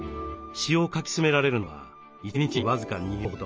詩を書き進められるのは１日に僅か２行ほど。